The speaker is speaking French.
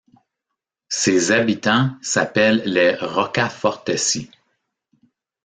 Ses habitants s'appellent les Roccafortesi.